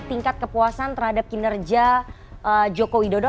tingkat kepuasan terhadap kinerja joko widodo